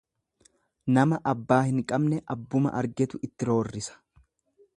Nama abbaa hin qabne abbuma argetu itti roorrisa